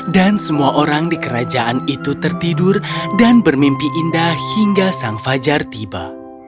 dan semua orang di kerajaan itu tertidur dan bermimpi indah hingga sang fajar tiba